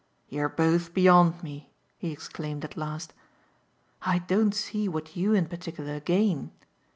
"You're both beyond me!" he exclaimed at last. "I don't see what you in particular gain."